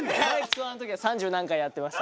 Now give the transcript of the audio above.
ツアーの時は三十何回やってました。